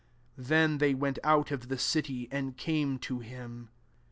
30 Tfien they w out of the city,, and came him.